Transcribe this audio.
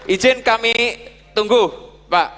izin kami tunggu pak